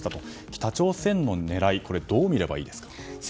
北朝鮮の狙いはどう見ればいいですか？